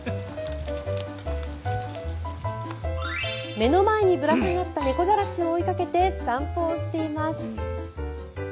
目の前にぶら下がった猫じゃらしを追いかけて散歩をしています。